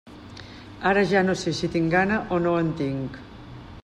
Ara ja no sé si tinc gana o no en tinc.